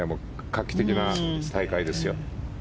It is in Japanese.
画期的な大会ですよ。